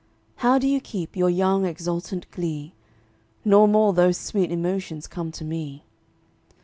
How do you keep your young exultant glee? No more those sweet emotions come to me.